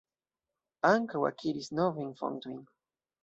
Ankaŭ akiris novajn fontojn.